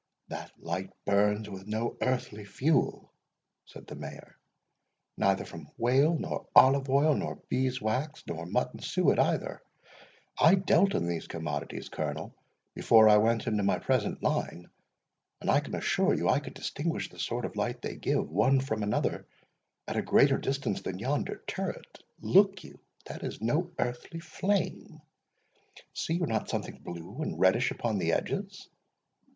"That light burns with no earthly fuel," said the Mayor; "neither from whale nor olive oil, nor bees wax, nor mutton suet either. I dealt in these commodities, Colonel, before I went into my present line; and I can assure you I could distinguish the sort of light they give, one from another, at a greater distance than yonder turret—Look you, that is no earthly flame.—See you not something blue and reddish upon the edges?